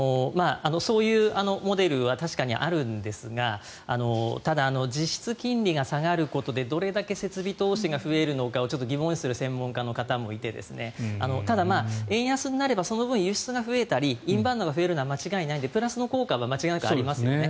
そういうモデルは確かにあるんですがただ、実質金利が下がることでどれだけ設備投資が増えるのかというのを疑問視する専門家の方もいてただ、円安になればその分、輸出が増えたりインバウンドが増えるのは間違いないのでプラスの効果は間違いなくありますよね。